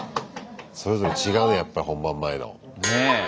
それぞれ違うねやっぱ本番前の感じが。